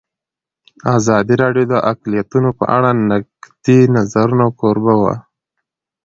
ازادي راډیو د اقلیتونه په اړه د نقدي نظرونو کوربه وه.